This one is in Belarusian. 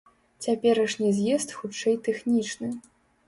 Цяперашні з'езд хутчэй тэхнічны.